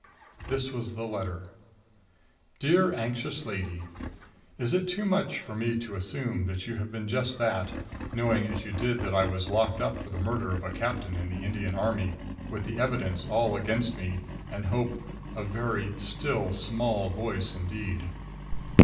This was the letter: DEAR ANXIOUS LADY: Is it too much for me to assume that you have been just that, knowing as you did that I was locked up for the murder of a captain in the Indian Army, with the evidence all against me and hope a very still small voice indeed?